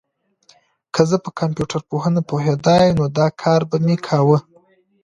که زه په کمپيوټر پوهنه پوهېدای، نو دا کار به مي کاوه.